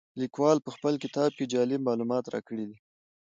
لیکوال په خپل کتاب کې جالب معلومات راکړي دي.